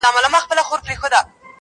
څنگه دي وستايمه.